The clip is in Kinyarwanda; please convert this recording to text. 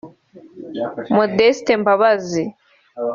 Modeste Mbabazi